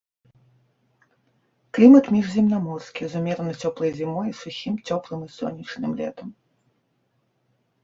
Клімат міжземнаморскі з умерана цёплай зімой і сухім, цёплым і сонечным летам.